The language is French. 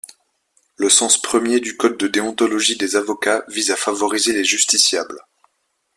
Le sens premier du code de déontologie des avocats vise à favoriser les justiciables.